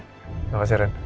terima kasih rin